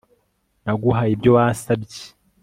Naguhaye ibyo wasabye